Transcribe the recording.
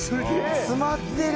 詰まってる！